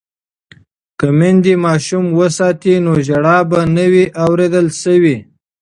که میندې ماشوم وساتي نو ژړا به نه وي اوریدل شوې.